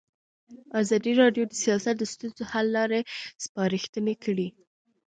ازادي راډیو د سیاست د ستونزو حل لارې سپارښتنې کړي.